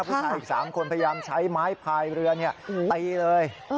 ผู้ชายอีก๓คนพยายามใช้ไม้พายเรือตีเลย